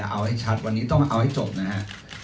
เอาให้ชัดวันนี้เอาให้จบนะฮะ